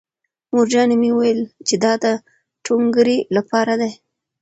مورجانې مې وویل چې دا د ټونګرې لپاره دی